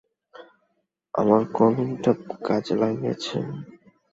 আমার কলমটা কাজে লেগেছে।